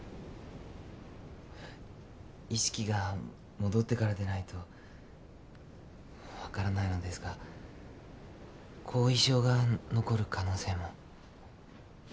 意識が戻ってからでないと分からないのですが後遺症が残る可能性も。